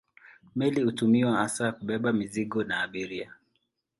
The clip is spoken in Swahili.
Meli hutumiwa hasa kwa kubeba mizigo na abiria.